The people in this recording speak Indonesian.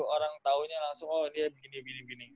orang taunya langsung oh ini ya begini begini